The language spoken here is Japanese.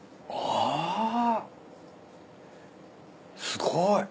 すごい。